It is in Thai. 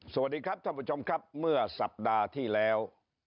สวัสดีครับท่านผู้ชมครับเมื่อสัปดาห์ที่แล้ว